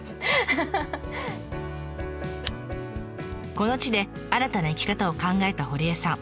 この地で新たな生き方を考えた堀江さん。